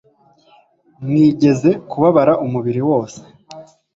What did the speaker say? mwigeze kubabara amubiri wose